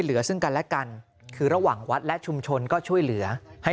เหลือซึ่งกันและกันคือระหว่างวัดและชุมชนก็ช่วยเหลือให้